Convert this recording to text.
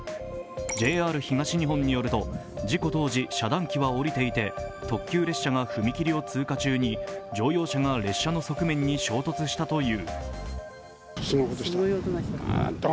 ＪＲ東日本によると事故当時、遮断機は下りていて特急列車が踏切を通過中に乗用車が列車の側面に衝突したという。